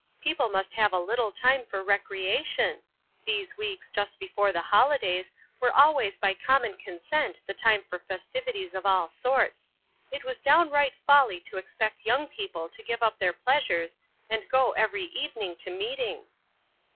People must have a little time for recreation; these weeks just before the holidays were always by common consent the time for festivities of all sorts; it was downright folly to expect young people to give up their pleasures and go every evening to meeting."